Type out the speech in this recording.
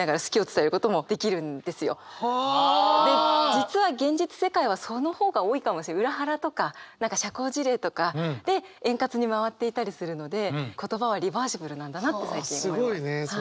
実は現実世界はその方が多いかも裏腹とか何か社交辞令とかで円滑に回っていたりするので言葉はリバーシブルなんだなって最近思います。